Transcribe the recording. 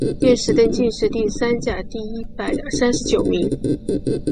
殿试登进士第三甲第一百三十九名。